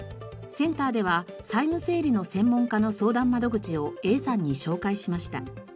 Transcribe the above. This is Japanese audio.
センターでは債務整理の専門家の相談窓口をＡさんに紹介しました。